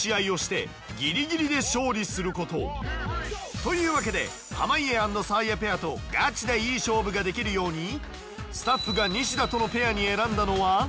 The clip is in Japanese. というわけで濱家＆サーヤペアとガチでいい勝負ができるようにスタッフがニシダとのペアに選んだのは。